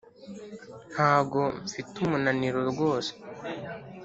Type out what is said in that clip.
Ntago mfite umunaniro rwose